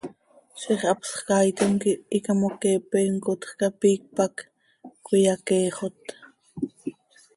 Ziix hapsx caaitim quih icamoqueepe imcotj cap iicp hac cöiyaqueexot.